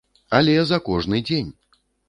Але за кожны дзень!